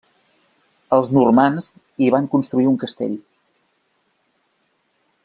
Els normands hi van construir un castell.